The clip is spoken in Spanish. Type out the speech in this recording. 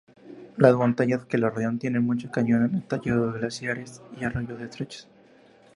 Las montañas que la rodean tienen muchos cañones tallados, glaciares y arroyos estrechos.